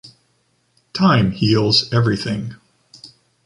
Time, heals everything.